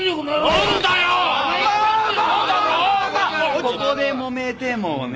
ここでもめてもね。